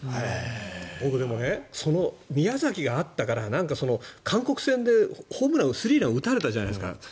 僕、宮崎があったから韓国戦でホームラン、スリーランを打たれたじゃないですか。